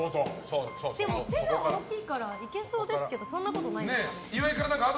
でも手が大きいからいけそうですけどそんなことないんですかね。